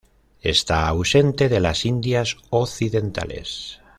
Está ausente de las Indias Occidentales.